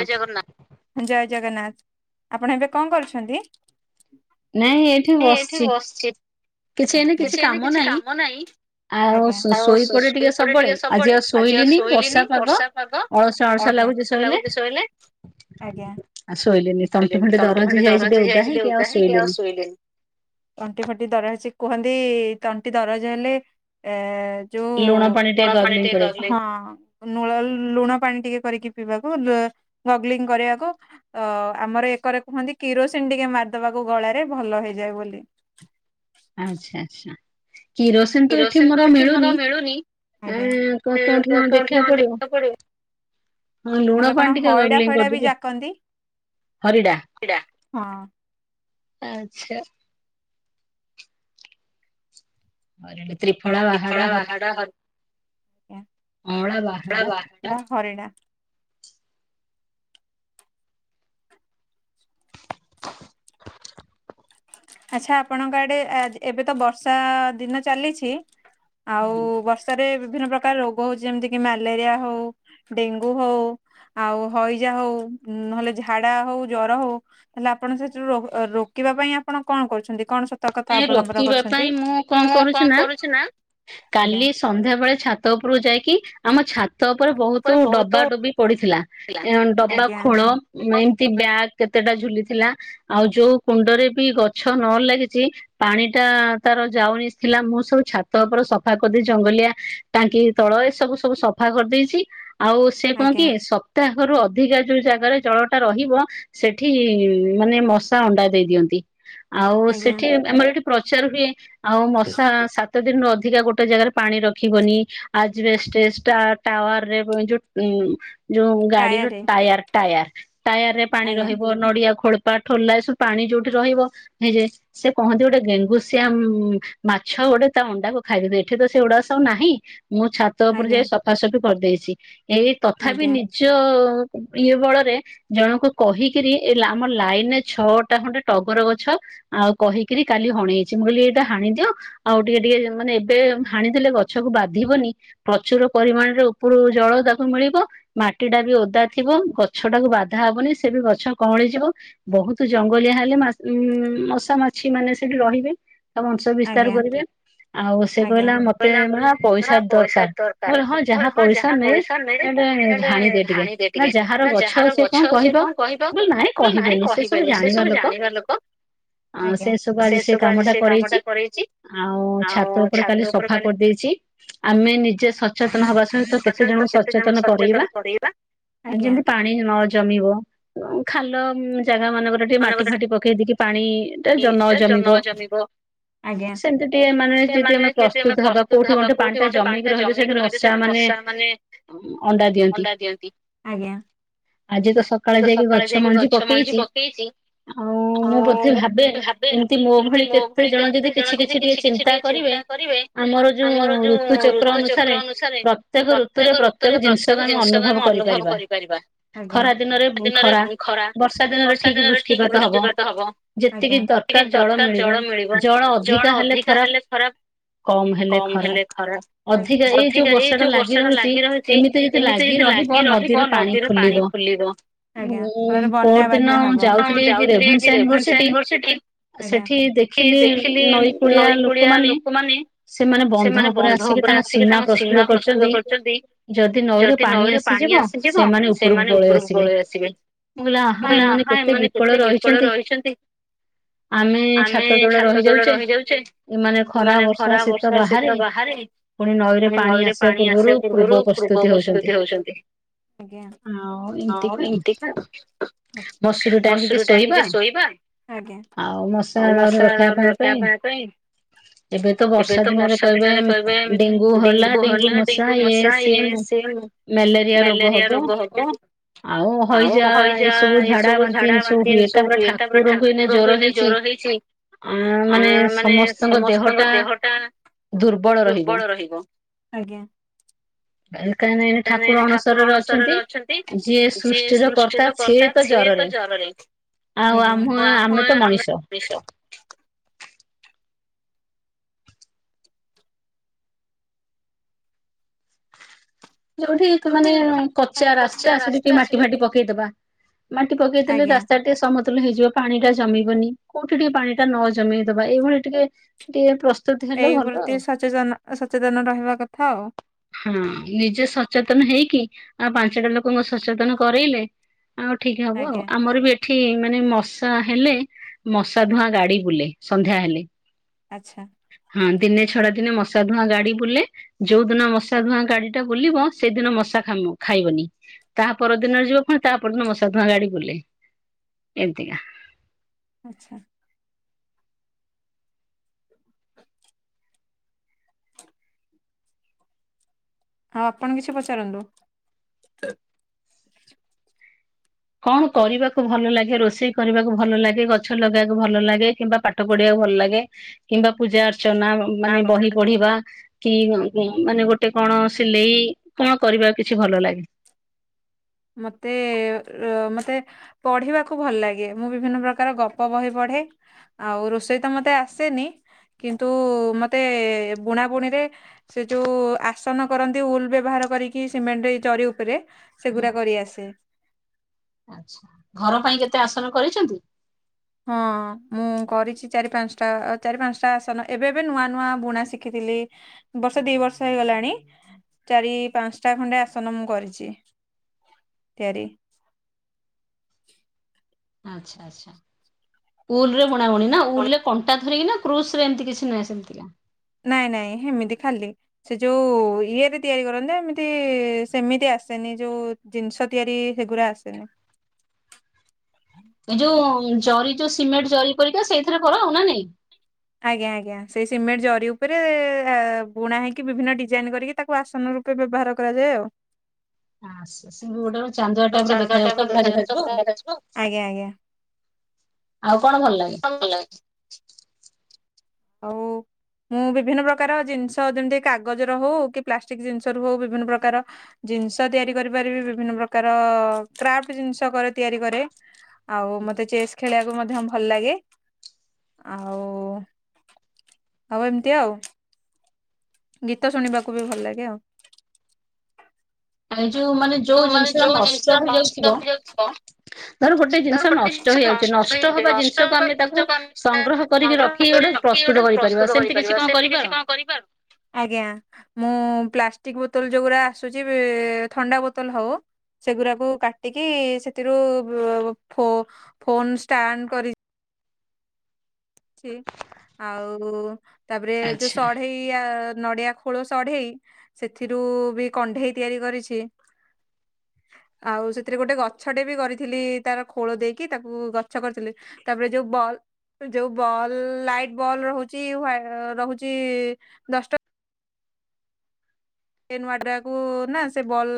ଜୟ ଜଗନ୍ନାଥ ଜୟ ଜଗନ୍ନାଥ ଆପଣ ଏବେ କଣ କରୁଛନ୍ତି? ନାଇଁ ଏଇଠି ବସିଛି। କିଛି ଏନ କିଛି କାମ ନାହିଁ। ଆଜ୍ଞା ତାପ - ସୋ ସୋଇପଡେ ଟିକେ ସବୁବେଳେ ଆଜି ଆଉ ଶୋଇଲିନି ବର୍ଷା ପାଗ। ଶୀତ। ଲାଗୁଛି ଶୋଇଲେ ଆଜ୍ଞା ଆ ଶୋଇଲେନି ଶୋଇଲିନି ତଣ୍ଟି ଫଣ୍ଟି ଦରଜ ହେଇଯାଇଛି ଟିକେ ଓଦା ହେଇକି ଆଉ ଶୋଇଲିନି। ତଣ୍ଟି ଫଣ୍ଟି ଦରଜଛି କୁହନ୍ତି ତଣ୍ଟି ଦରଜ ହେଲେ ଏ ଯୋଉ ପଣା ପାଣି ଟିକେ ଦରଲେ ହିଁ। ନୂଳ ଲୁଣ ପାଣି ଟିକେ କରିକି ପିଇବାକୁ ଲୁଅ ଗଗଲିଙ୍ଗ କରିବାକୁ। ଅ ଆମର ଏକରେ କୁହନ୍ତି କିରୋସିନ ଟିକେ ମାରିଦବାକୁ ଗଳାରେ ଭଲ ହେଇଯାଏ ବୋଲି। ଆଚ୍ଛା ଆଚଛା କିରୋସିନ ତ ଏଠି ମୋର ମିଳୁନି। ଆ କ କଉଠି ନା ଦେଖିବାକୁ ପଡିବ। ହଁ ଲୁଣ ପାଣି ଟିକେଗଗଲିନିଗ କରିଦେବି ହରିଡା। ରିଡ଼ା ହଁ। ଆଛା। ହରିଡ ତ୍ରିଫଳା। ତ୍ରିଫଳା ବାହାଡ। ହରିଣା ବାହାଡା ହରିଡ଼ା। ଆଚ୍ଛା ଆପଣଙ୍କ ଆଡେ ଆ ଏବେ ତ ବର୍ଷା ଦିନ ଚାଲିଛି ଆଉ ବଷ ଷରେ ବିଭିନ୍ନ ପ୍ରକାର ରୋଗ ହଉଛି ଯେମିତିକି ମ୍ୟାଲେରିଆ ହଉ ଡେଙ୍ଗୁ ହଉ। ଆଉ ହଇଜା ହଉ ନହେଲେ ଝାଡା ହଉ ଜର ହଉ। ତାଲେ ଆପଣ ସେଥିରୁ ରୋ ରୋକିବା ପାଇଁ ଆପଣ କଣ କରୁଛନ୍ତି କଣ ସ ତୋ କଥା ଅବଲମ୍ବନ କରୁଛନ୍ତି ମୁଁ କଣ କରୁଛି ନା କାଲି ସନ୍ଧ୍ୟା ବେଳେ ଛାତ ଉପରକୁ ଯାଇକି। ଆମ ଛାତ ଉପରେ ବହୁତ ଡବା ଡବି ପଡିଥିଲା ଏ ଡବା ଖୋଳ ଏମିତି। ବ୍ୟାଗ କେତେଟା ଝୁଲିଥିଲା ଆଉ ଯୋଉ କୁଣ୍ଡରେ ବି ଗଛ ନ ଲାଗିଛି। ପାଣି ଟା ତାର ଯାଉନି ଥିଲା ମୁଁ ସବୁ ଛାତ। ଉପରେ ସଫା କରିଦେଇ ଜଙ୍ଗଲିଆ ଟାଙ୍କି ତଳ ଏ ସବୁ ସବୁ ସଫା କରିଦେଇଛି ଆଉ। ସେ କଅ କି ସପ୍ତାହରୁ ଅଧିକା ଯୋଉ ଜାଗାରେ ଜଳ ଟା ରହିବ। ସେଠି ମାନେ ମଶା ଅଣ୍ଡା ଦେଇ ଦିଅନ୍ତି। ଆଉ ସେଠି ଆମର ଏଠି ପ୍ରଚାର ହୁଏ ଆଉ ମଶା ସା ତ ଦିନ ରୁ ଅଧିକା ଗୋଟେ ଜାଗାରେ ପାଣି ରଖିବନି ଆଜବେଷ୍ଟ ଷ୍ଟାର୍ ଟାୱାର ରେ ଯୋଉ ଉ ଯୋଉ ଗାଡିର ଟାୟାର ଟାୟାର ଟାୟାର ରେ ପାଣି ରହିବ ନଡିଆ ଖୋଳ ପାଠୋଲା ଏସବୁ ପାଣି ଯୋଉଠି ରହିବ ହେଇ ଯେ ସେ କହନ୍ତି ଗୋଟେ ଡେଙ୍ଗୁସିଆ ମାଛ ଗୋଟେ। ତା ଅଣ୍ଡାକୁ ଖାଇଦେବେ ଏଠି ତ ସେ ଉୁଡା ସବୁ ନାହିଁ ମୁଁ ଛାତ ଉପରେ ଯାଇଏ ସ ଫା ସେଠୁ କରିଦେଇଛି ଏଇ ତଥାପି ନିଜ ଇଏ ବଳରେ। ଜଣଙ୍କୁ କହିକିରି ଏ ଆମ ଲାଇନରେ ଛଅଟା ଖଣ୍ଡେ ଟଗର ଗଛ। ଆଉ କହିକିରି କାଲି ହଣେଇଛି ମୁଁ କହିଲି ଏଇଟା ହାଣି ଦିଅ ଆଉ। ଟିକେ ଟିକେ ମାନେ ଏବେ ହାଣି ଦେଲେ ଗଛକୁ ବାଧିବନି। ପ୍ରଚୁର ପରିମାଣରେ ଉପରୁ ଜଳ ତାକୁ ମିଳିବ। ମାଟି ଟା ବି ଓଦା ଥିବ ଗଛ ଟାକୁ ବାଧା ହବନି ସେ ବି ଗଛ କଅଁଳି ଯିବ। ବହୁତୁ ଜଙ୍ଗଲିଆ ହେଲେ ମା ଉ ମଶା ମାଛି ମାନେ ସେଠି ରହିବେ। ତ ବଂଶ ବିସ୍ତାରୁ କରିବେ। ଆଉ ସେ କହିଲା ମତେ ମା ପଇସା ଦରକାର ହଁ ଯାହା ପଇସା ନେ। ଏଟା ହାଣିଦି ଟିକେ ନା ଯାହାର ଗଛ ସି କଣ କହିବ ବୋଲି ନାଇଁ। କହିବେନି ସେ ସବୁ ଜାଣିବା ଲୋକ ଆ ସେ ସବୁ ଆଜି ସେ କାମ ଟା କରେଇଚି। କରେଇଚି। ଆଉ ଛାତ ଉପରେ କାଲି ସଫା କରିଦେଇଚି। ଆମେ ନିଜେ ସଚେତନ ହବା ସହିତ କେତେ ଜଣଙ୍କୁ ସଚେତନ କରେଇବା। ଯେମି ପାଣି ନ ଜମିବ ଖାଲ ଜାଗା ମାନଙ୍କରେ। ସେ ମାଟି ଫାଟି ପକେଇ ଦେଇକି ପାଣି ଟା ଜ ନ ଜମିବ। ଆଜ୍ଞା ସେମାନେ ଯଦି ଆମେ ପ୍ରସ୍ତୁତ ହବା କୋଉଠି ଗଣ୍ଡେ ପାଣି ଟା ଜମେଇକି ରହିଲେ ସେଠି ମଶା। ମାନେ ଅଣ୍ଡା ଦିଅନ୍ତି ଆଜ୍ଞା। ସେଏତ ସକାଳେ ଯାଇକି ଗଛ ମଞ୍ଜି ପକେଇ ତି ଆଉ ମୁଁ ଭାବେ ଏମିତି ମୋ ଭଳି କେତେ ଜଣେ ଯଦି କିଛି କିଛି ଟିକେ ଚିନ୍ତା କରିବେ ଆମର ଯୋଉ ଋତୁ ଚକ୍ର ଅନୁସାରେ। ପ୍ରତ୍ୟେକ ଋତୁରେ ପ୍ରତ୍ୟେକ ଜିନିଷକୁ ଆମେ ଅନୁଭବ କରିପାରିବା ଆଜ୍ଞା ଦିନରେ ଖରା। ବର୍ଷା ଦିନରେ ଠିକ ବୃଷ୍ଟିପାତ ହବ ଆଜ୍ଞା ଟିକେ ଦରକାର ଜଳ ମିଳିବ। ଜଳ ଅଧିକା ହେଲେ ଖରାପ। କମ ହେଲେ ଖରାପ ଅଧିକା ଆଜ୍ଞା ଏଇ ଯୋଉ ବର୍ଷାଟା ଲାଗି ରହେ। ତି ଏମିତି ଯି ଲାଗି ରହିବ ନଦୀର ପାଣି ଫୁଲିବ ଆଜ୍ଞା ବନ୍ୟା ବା ତ୍ୟା ହବ ହଁ ଯାଉଥୁଲି କି ରେଭେନ୍ସା ଇଂଭରସିଟ୍ ଆଜ୍ଞା ଦେଖି। ତି ନଈ କୁଳିଆ ଲୋକମାନେ। ସେମାନେ ବନ୍ଧ ଉପରେ ଆସିକି ତାଙ୍କ ସିମା ପ୍ରସ୍ତୁତ କରିୁଚନ୍ତି। ଯଦି ନଈରେ ପାଣି ଆସିଯିବ ସେମାନେ ଉପରକୁ ପଳେଇ ଆସିବେ। ମୁଲା ଅହଁ ଏମାନେ କେ ଏମାନେ କେତେ ବିପଳ ରହିଛନ୍ତି ଆମେ ଛାତ ତଳ ରହିଯାଉଛେ ଏମାନେ ଖରା ବର୍ଷା ଶୀତ ବାହାରେ। [unintelligible] ନଈରେ ପାଣି ଆସିବା ପୂର୍ବରୁ ପୂର୍ବ ପ୍ରସ୍ତୁତି ହଉଛନ୍ତି। ଆଜ୍ଞା ହଁ ଏମିତିକା। ମସୁରୁ ଟାଙ୍ଗିକି ଶୋଇବା ଆଜ୍ଞା ଆଉ ମଶା ଦାଉରୁ ରକ୍ଷା ପାଇବା ପାଇଁ। ଏବେ ତ ବର୍ଷା ଦିନରେ କହିବେ ଡେଙ୍ଗୁ ହେଲା ଡେଙ୍ଗୁ ମଶା ଇଏ ସିଏ। ମ୍ୟାଲେରିଆ ରୋଗ ହବ ଆଉ ହଇଜା ଏ ସବୁ ଝାଡା ବାନ୍ତି ସବୁ ହୁଏ ତାପରେ ଠାକୁରଙ୍କୁ ଏନା ଜ୍ଵର ହେଇଛି। ଆ ମାନେ ସମସ୍ତଙ୍କ ଦେହ ଟା। ଦୁର୍ବଳ ରହିବ ଆଜ୍ଞା। ଠାକୁର ଅଣସରରେ ଅଛନ୍ତି ଯିଏ ସୃଷ୍ଟିର କର୍ତ୍ତା ସେଏ ତ ଜରରେ ଆଜ୍ଞା ଆମ୍ଭ ଆମେ ତ ମଣିଷ ଯୋଉଠି ମାନେ କଚା ରାସ୍ତା ସେଠି ଟିକେ ମାଟି ଫାଟି ପକେଇଦବା ମାଟି ପକେଇଦେଲେ ରାସ୍ତା କେତେ ସମତଲ ହେଇଯିବ ପାଣି ଟା ଜମିବନି କୋଉଠି ଟିକେ ପାଣି ଟା ନ ଜମେଇଦବା ଏଇଭଳି ଟିକେ ଟିଏ ପ୍ରସ୍ତୁତି ଏଇ ପ୍ରତି ସଚେତନ ସଚେତନ ରହିବା କଥା ଆଉ। ହଁ ନିଜେ ସଚେତନ ହେଇକି ଆଉ ପାଞ୍ଚଟା ଲୋକଙ୍କୁ ସଚେତନ କରେଇଲେ ଆଉ ଠିକ ହବ ଆଉ ଆମର ବି ଏ ଠି ମାନେ ମଶା ହେଲେ ମଶା ଧୂଆଁ ଗାଡି ବୁଲେ ସନ୍ଧ୍ୟା ହେଲେ ଆଚ୍ଛା। ହଁ ଦିନେ ଛଡା ଦିନେ ମଶା ଧୂଆଁ ଗାଡି ବୁଲେ ଯୋଉ ଦିନ ମ ମଶା ଧୂଆଁ ଗାଡି ଟା ବୁଲିବ ସେଦିନ ମଶା ଖାମ ଖାଇବନି। ତାହା ପର ଦିନ ଯିବ ପୁଣି ତା ପରଦିନ ମଶାଧୂଆଁ ଗାଡି ବୁଲେେ ଏମତିକା। ଆଚ୍ଛା। ଆଉ ଆପଣ କିଛି ପଚାରନ୍ତୁ? କଣ କରିବାକୁ ଭଲ ଲାଗେ? ରୋଷେଇ କରିବାକୁ ଭଲ ଲାଗେ, ଗଛ ଲଗେଇବାକୁ ଭଲ ଲାଗେ, କିମ୍ବା ପା ଠ ପଢିବାଆକୁ ଭଲ ଲାଗେ କିମ୍ବା ପୂଜା ଅର୍ଚ୍ଚନା ମାନେ ବହି ପଢିବା କି ଉଁ ଉଁ ମାନେ ଗୋଟେ କଣ ସିଲେଇ କଣ କରିବା କିଛି ଭଲ ଲାଗେ? ମତେ ଅ ର ମତେ ପଢିବାକୁ ଭଲ ଲାଗେ। ମୁଁ ବିଭିନ୍ନ ପ୍ରକାର ଗପ ବହି ପଢେ ଆଉ ରୋଷେଇ ତ ମତେ ଆସେନି କିନ୍ତୁ ମତେ ବୁଣା ବୁଣିରେ ସେ ଯୋଉ ଆସନ କରନ୍ତି ଉଲ୍ ବ୍ୟବହାର କରିକି ସିମେଣ୍ଟଇ ଜରି ଉପରେ ସେଗୁରା କରିଆସେ। ଆଛା ଘର ପାଇଁ କେତେ ଆସନ କରିଛନ୍ତି? ହଁ ମୁଁ କରିଛି ଚାରି ପାଞ୍ଚଟା ଚାରି ପାଞ୍ଚଟା ଆସନ ଏବେ ବି ନୂଆ ନୂଆ ବୁଣା ଶିଖିଥିଲି ବର୍ଷେ ଦି ବର୍ଷ ହେଇଗଲାଣି ଚାରି ପାଞ୍ଚଟା ଖଣ୍ଡେ ଆସନ ମୁଁ କରିଛି। [inaudible] ତିଆରି ଆଚ୍ଛା ଆଚ୍ଛା ଉଲ ରେ ବୁଣା ବୁଣି ନା ଉଲରେ କଣ୍ଟା ରିକି କ୍ରୁସ ରେ ଏମିତିଛି ନୁହଁ ସେମତିକା ନାଇଁ ନାଇଁ ହେମିତି ଖାଲି। ସେ ଯୋଉ ଇଏରେ ତିଆରି କରନ୍ତ ଏମିତି ସେମିତି ଆସେନି ଯୋଉ ଜିନିଷ ତିଆରି ସେଗୁରା ଆସେନି। ଏଇ ଯୋଉ ଜରି ଯୋଉ ସିମେଣ୍ଟ ଜରି ପରିକା ସେଇଥିରେ କର ଆଉ ନା ନାଇଁ? ଆଜ୍ଞା ଆଜ୍ଞା ସେଇ ସିମେଣ୍ଟ ଜରି ଉପରେ ଏ ବୁଣା ହେଇକି ବିଭିନ୍ନ ଡିଜାଇନ କରିକି ତାକୁ ଆସନ ରୁ ପେ ବ୍ୟବହାର କରାଯାଏ ଆଉ। [inaudible] ଚାନ୍ଦ ଟାଇପ ର ଦେଖାଯାଉ ତ ପୁରା [unintelligible] ଆଜ୍ଞା ଆଜ୍ଞା। ଆଉ କଣ ଭଲ ଲାଗେ? ହଁ ଭଲ ହେଇଛି। ଆଉ ଉଁ ବିଭିନ୍ନ ପ୍ରକାର ଜିନିଷ ଯେମିତି କାଗଜର ହଉ କି ପ୍ଲାଷ୍ଟିକ ଜିନିଷ ର ହଉ ବିଭିନ୍ନ ପ୍ରକାର ଜିନିଷ ତିଆରି କରିପାରିବି ବିଭିନ୍ନ ପ୍ରକାର କ୍ରାଫ୍ଟ ଜିନିଷ କରେ ତିଆରି କରେ ଆଉ ମତେ ଚେସ୍ ଖେଳିବାକୁ ମଧ୍ୟ ଭଲ ଲାଗେ ଆଉ ଆଉ ଏମିତି ଆଉ ଗୀତ ଶୁଣିବାକୁ ବି ଭଲ ଲାଗେ ଆଉ। ଏ ଯୋଉ ମାନେ ତୁ ମାନେ ଯୋଉ ଜିନିଷ ନଷ୍ଟ ହେଇଯାଉଥିବ [inaudible] କି ଗୋଟେ ପ୍ରସ୍ତୁତ କରିପାରିବା ସେମିତି କିଛି କଣ କରିପା ଆଜ୍ଞା ମୁଁ ପ୍ଲାଷ୍ଟିକି ବୋତଲ ଯୋଉ ଗୁରା ଆସୁଛି ବି ଥଣ୍ଡା ବୋ ତଲ ହଉ ସେଗୁରାକୁ କାଟିକି ସେଥିରୁ ବ ପୋ ଫୋନ୍ ଷ୍ଟାଣ୍ଡ କରି ଛି ଆଉ ତାପରେ ଯୋଉ ସଢେଇ ଇ ଆ ନଡିଆ ଖୋଳ ସଢେଇ ସେଥିରୁ ବି କଣ୍ଢେଇ ତିଆରି କରିଚି। ଆଉ ସେଥିରେ ଗୋଟେ ଗଛଟେ ବି କରିଥିଲି ତାର ଖୋଳ ଦେଇକି ତାକୁ ଗଛ କରିଥିଲି। ତାପରେ ଯୋଉ ବଲ୍ ଯୋଉ ବଲ୍ ଲାଇଟ୍ ବଲ୍ ରହୁଛି ହ୍ୱା ରହୁଛି ଦଶଟା ସେ ନୂଆ ଡା କୁ ନା ସେ ବଲ୍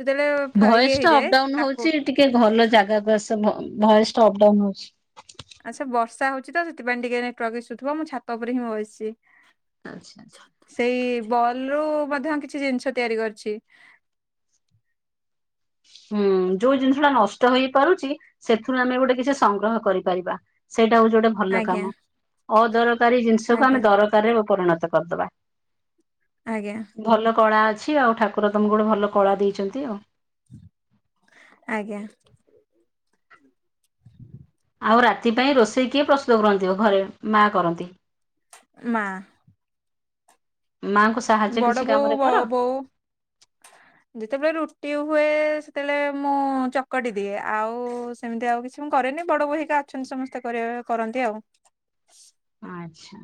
ଯେତେଳେ ଫା ଇଏ ହେଇଯାଏ ତାକୁ ଟିକେ ଭଲ ଜାଗାକୁ ଆସ ଭ ଭୟସ୍ ଅପଡାଉନ୍ ହଉଚି। ଆଚ୍ଛା ବର୍ଷ ହଉଚି ତ ସେଥିପାଇଁ ଟିକେ ନେଟୱାର୍କ ଇସୁ ଥିବ ମୁ ଛାତ ଉପରେ ହିଁ ବସିଚି। ଆଚ୍ଛା-ଆଚ୍ଛା। ସେଇ ବଲ୍ ରୁ ମଧ୍ୟ କିଛି ଜିନିଷ ତିଆରି କରିଛି। ହୁଁ ଯୋଉ ଜିନିଷ ଟା ନଷ୍ଟ ହେଇପାରୁଛି ସେଥିରୁ ଆମେ ଗୋଟେ କିଛି ସଂଗ୍ରହ କରିପାରିବା। ସେଇଟା ହଉଚି ଗୋଟେ ଭଲ କାମ ଅଦରକାରୀ ଜିନିଷକୁ ଆମେ ଦରକାରରେ ପରିଣତ କରିଦବା। ଆଜ୍ଞା। ଭଲ କଳା ଅଛି ଆଉ ଠାକୁର ତମକୁ ଗୋଟେ ଭଲ କଳା ଦେଇଛନ୍ତି ଆଉ। ଆଜ୍ଞା। ଆଉ ରାତି ପାଇଁ ରୋଷେଇ କିଏ ପ୍ରସ୍ତୁତ କରନ୍ତି ବ ଘରେ ମାଆ କରନ୍ତି? ମାଆ। ମାଆଙ୍କୁ ବଡ ବୋଉ ବ ବୋଉ ଯେତେବେଳେ ରୁଟି ହୁଏ ସେତେବେଳେ ମୁଁ ଚକଡି ଦିଏ ଆଉ ସେମିତି ଆଉ କିଛି ମୁଁ କରେନି ବଡ ବୋଉ ହେଇକା ଅଛନ୍ତି ସମସ୍ତେ [unintelligible] କରନ୍ତି ଆଉ ଆଚ୍ଛା।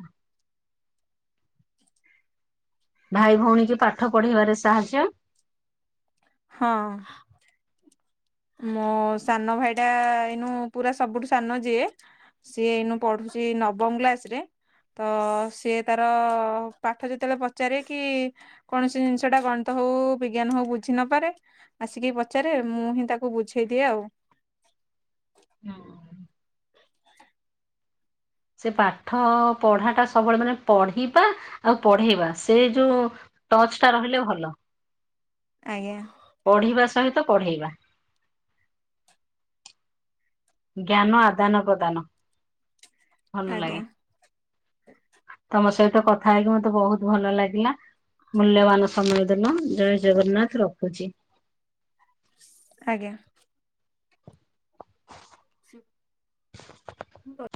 ଭାଇ ଭଉଣୀ କି ପାଠ ପଢେଇବାରେ ସାହାର୍ଯ୍ୟ? ହଁ। ମୋ ସାନ ଭାଇ ଟା ଏଇନୁ ପୁରା ସବୁଠୁ ସାନ ଯିଏ ସିଏ ଏଇନୁ ପଢୁଛି ନବମ କ୍ଲାସ୍ ରେ ତ ସିଏ ତାର ପାଠ ଯେତେବେଳେ ପଚାରେ କି କୌଣସି ଜିନିଷ ଟା ଗଣିତ ହଉ ବିଜ୍ଞାନ ହଉ ବୁଝି ନପାରେ ଆସିକି ପଚାରେ ମୁଁ ହିଁ ତା କୁ ବୁଝେଇ ଦିଏ ଆଉ। ହଁ। ସେ ପାଠ ପଢା ଟା ସବୁବେଳେ ମାନେ ପଢିବା ଆଉ ପଢେଇବା ସେ ଯୋଉ ଟଚ୍ ଟା ରହିଲେ ଭଲ। ଆଜ୍ଞା। ପଢିବା ସହିତ ପଢେଇବା। ଜ୍ଞାନ ଆଦାନ ପ୍ରଦାନ ଭଲ ଲାଗେ। ତମ ସହିତ କଥା ହେଇକି ମତେ ବହୁତୁ ଭଲ ଲାଗିଲା। ମୂଲ୍ୟବାନ ସମୟ ଦେଲ ଜୟ ଜଗନ୍ନାଥ ରଖୁଚି। ଆଜ୍ଞା। [unintelligible]